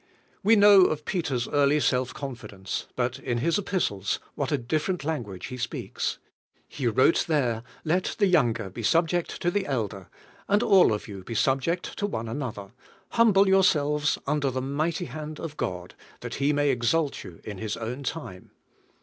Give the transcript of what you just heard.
We know of Peter's early self confidence; but in his epistles what a different language he speaks! He wrote there: "Let the younger be subject to the elder, and all of you be subject one to another; humble yourselves under the mighty hand of God, that He may exalt you in His own time."